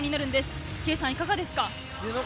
圭さん、いかがですか？